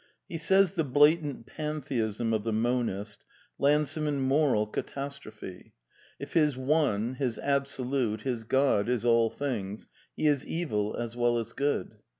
He says the blatant Pantheism of the monist lands him in moral catastrophe. If his One, his Absolute, his God, <^^^is all things, He is evil as well as good.